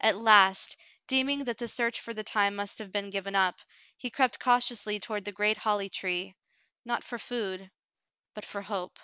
At last, deeming that the search for the time must have been given up, he crept cautiously toward the great holly tree, not for food, but for hope.